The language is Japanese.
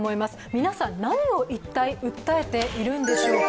皆さん、何を一体訴えているんでしょうか。